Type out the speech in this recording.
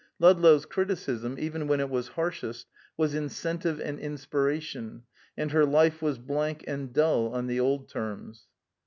Ludlow's criticism, even when it was harshest, was incentive and inspiration; and her life was blank and dull on the old terms.